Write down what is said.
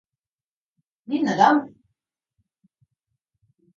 記憶の中の海には何もないんだよ。電線の先もさ、何もないんだ。